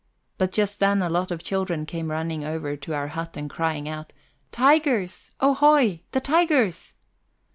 But just then a lot of children came running over to our hut and crying out: "Tigers, ohoi, the tigers!"